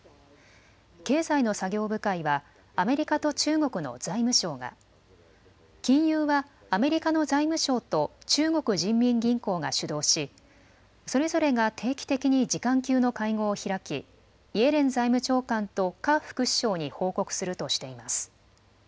経済の作業部会はアメリカと中国の財務省が、金融がアメリカの財務省と中国人民銀行が主導し、それぞれが定期的に次官級の会合を開きイエレン財務長官とから副首相に報告するとしています。